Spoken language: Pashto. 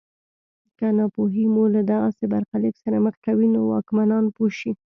که ناپوهي مو له دغسې برخلیک سره مخ کوي نو واکمنان پوه شي.